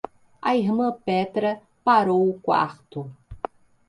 A irmã Petra parou o quarto.